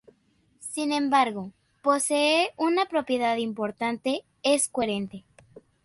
Sin embargo, posee una propiedad importante: es coherente.